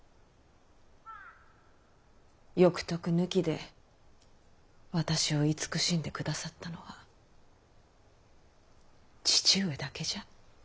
欲得抜きで私を慈しんで下さったのは父上だけじゃ。